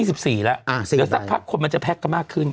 เดี๋ยวสักพักคนมันจะแพ็คกันมากขึ้น